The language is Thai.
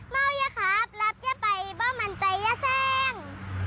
เมายะครับรับยะไปบ้ามั่นใจยะแซ่ง